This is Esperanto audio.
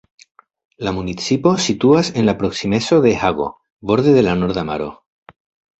La municipo situas en la proksimeco de Hago, borde de la Norda Maro.